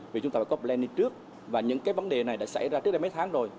vì chúng ta phải có blandi trước và những cái vấn đề này đã xảy ra trước đây mấy tháng rồi